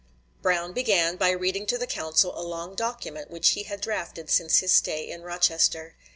Brown began by reading to the council a long document which he had drafted since his stay in Rochester.